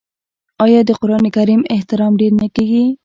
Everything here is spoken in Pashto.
آیا د قران کریم احترام ډیر نه کیږي؟